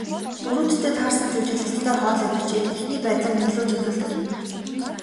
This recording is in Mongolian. Дүрүүддээ таарсан жүжиглэлттэй хоолой бичээд, эхний байдлаар нийлүүлж эвлүүлэг хийдэг.